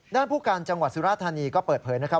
ผู้การจังหวัดสุราธานีก็เปิดเผยนะครับ